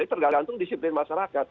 tergantung disiplin masyarakat